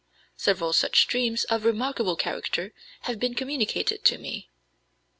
Several such dreams of remarkable character have been communicated to me.